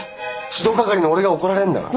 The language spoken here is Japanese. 指導係の俺が怒られるんだから。